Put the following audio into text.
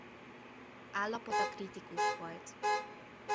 Állapota kritikus volt.